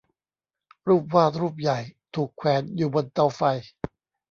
รูปวาดรูปใหญ่ถูกแขวนอยู่บนเตาไฟ